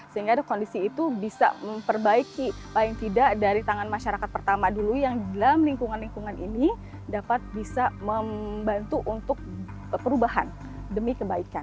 sehingga kondisi itu bisa memperbaiki paling tidak dari tangan masyarakat pertama dulu yang di dalam lingkungan lingkungan ini dapat bisa membantu untuk perubahan demi kebaikan